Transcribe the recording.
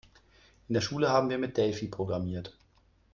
In der Schule haben wir mit Delphi programmiert.